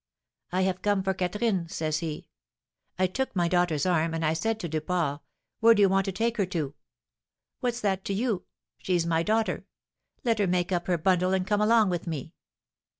'I have come for Catherine,' says he. I took my daughter's arm, and I said to Duport, 'Where do you want to take her to?' 'What's that to you? She's my daughter. Let her make up her bundle and come along with me.'